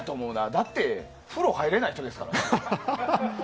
だって風呂入らないんですから。